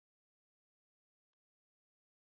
جميلې وويل: له ما سره خو لا شکر دی سایبان شته.